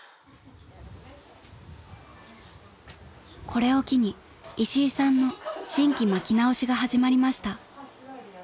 ［これを機に石井さんの新規まき直しが始まりました］